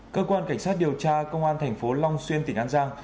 cơ quan cảnh sát điều tra công an thành phố long xuyên tỉnh an giang